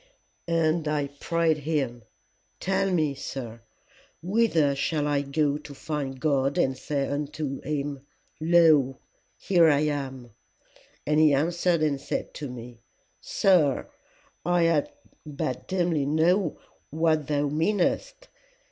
"'And I prayed him, Tell me, sir, whither shall I go to find God and say unto him, Lo, here I am! And he answered and said to me, Sir, I but dimly know what thou meanest.